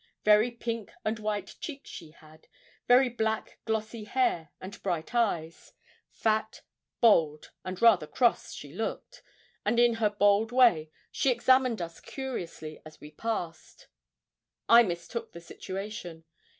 Very pink and white cheeks she had, very black glossy hair and bright eyes fat, bold, and rather cross, she looked and in her bold way she examined us curiously as we passed. I mistook the situation.